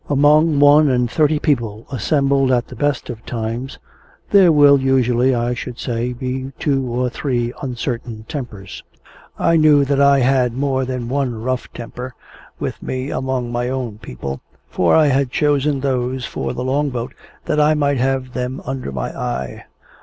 Among one and thirty people assembled at the best of times, there will usually, I should say, be two or three uncertain tempers. I knew that I had more than one rough temper with me among my own people, for I had chosen those for the Long boat that I might have them under my eye.